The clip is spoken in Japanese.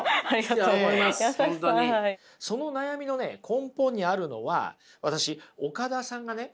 その悩みのね根本にあるのは私岡田さんがね